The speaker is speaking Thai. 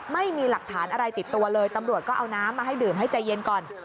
ไม่มีหลักฐานอะไรติดตัวเลยตำรวจก็เอาน้ำมาให้ดื่มให้ใจเย็นก่อน